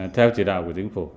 theo chỉ đạo của chính phủ